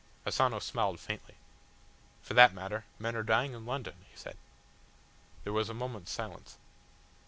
Asano smiled faintly. "For that matter, men are dying in London," he said. There was a moment's silence.